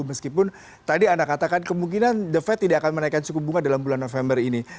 meskipun tadi anda katakan kemungkinan the fed tidak akan menaikkan suku bunga dalam bulan november ini